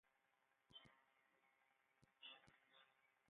Ntaɛn ya ndabiaŋ atɔm anə kan ebɛ :e wi wa naŋ ai e wi o tələ.